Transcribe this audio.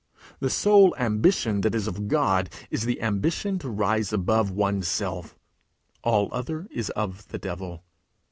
The sole ambition that is of God is the ambition to rise above oneself; all other is of the devil.